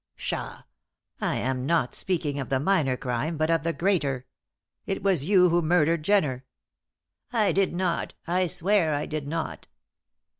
"Pshaw! I am not speaking of the minor crime but of the greater. It was you who murdered Jenner." "I did not. I swear I did not."